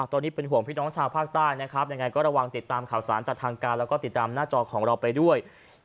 ตอนนี้เป็นห่วงพี่น้องชาวภาคใต้นะครับยังไงก็ระวังติดตามข่าวสารจากทางการแล้วก็ติดตามหน้าจอของเราไปด้วย